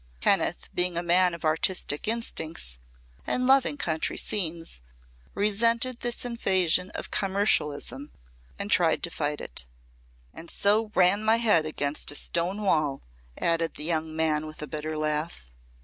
Kenneth, being a man of artistic instincts and loving country scenes, resented this invasion of commercialism and tried to fight it." "And so ran my head against a stone wall," added the young man, with a bitter laugh.